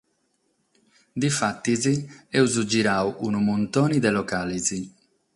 Di fatis amus giradu unu muntone de locales.